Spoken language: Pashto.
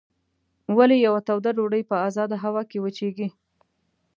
ولې یوه توده ډوډۍ په ازاده هوا کې وچیږي؟